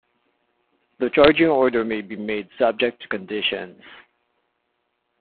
The charging order may be made subject to conditions.